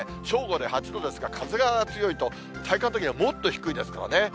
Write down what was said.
正午で８度ですが、風が強いと体感的にはもっと低いですからね。